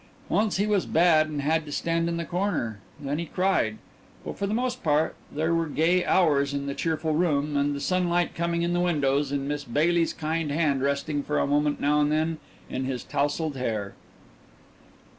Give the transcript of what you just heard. Once he was bad and had to stand in the corner then he cried but for the most part there were gay hours in the cheerful room, with the sunlight coming in the windows and Miss Bailey's kind hand resting for a moment now and then in his tousled hair.